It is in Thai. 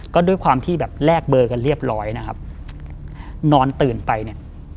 ก็ด้วยความที่แบบแลกเบอร์กันเรียบร้อยนะครับนอนตื่นไปเนี่ย